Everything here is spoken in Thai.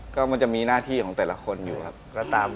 ก็มันจะมีหน้าที่ของแต่ละคนอยู่ครับ